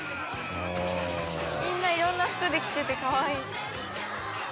みんないろんな服で来ててかわいい。